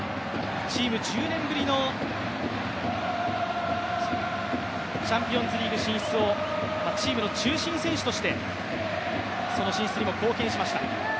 チーム１０年目のチャンピオンズリーグ進出をチームの中心選手として貢献しました。